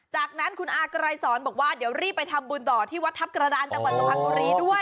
จากนั้นคุณอากรายสอนบอกว่าเดี๋ยวรีบไปทำบุญต่อที่วัดทัพกระดานจังหวัดสุพรรณบุรีด้วย